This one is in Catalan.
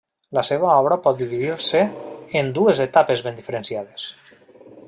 La seva obra pot dividir-se en dues etapes ben diferenciades.